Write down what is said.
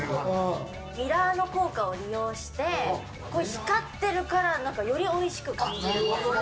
ミラーの効果を利用して光ってるからよりおいしく感じる？